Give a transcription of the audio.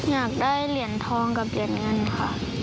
อยากได้เหรียญทองกับเหรียญเงินค่ะ